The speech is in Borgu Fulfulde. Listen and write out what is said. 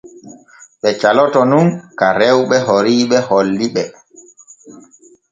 Ɓe caloto nun ka rewɓe oriiɓe holli ɓe.